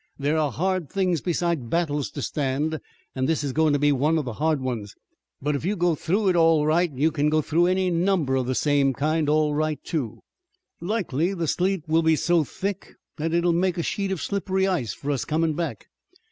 "There are hard things besides battles to stand, an' this is goin' to be one of the hard ones, but if you go through it all right you kin go through any number of the same kind all right, too. Likely the sleet will be so thick that it will make a sheet of slippery ice for us comin' back.